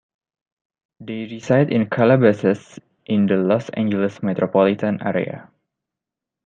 They reside in Calabasas in the Los Angeles metropolitan area.